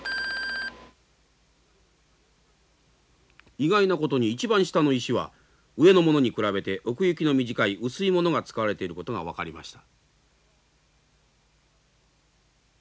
意外なことに一番下の石は上のものに比べて奥行きの短い薄いものが使われていることが分かりました。